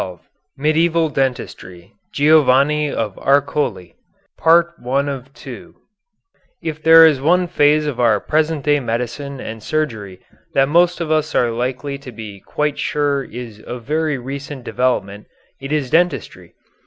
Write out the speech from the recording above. XII MEDIEVAL DENTISTRY GIOVANNI OF ARCOLI If there is one phase of our present day medicine and surgery that most of us are likely to be quite sure is of very recent development it is dentistry.